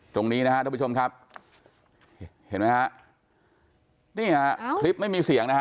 ตรงนี้นะฮะทุกผู้ชมครับเห็นไหมฮะนี่ฮะคลิปไม่มีเสียงนะฮะ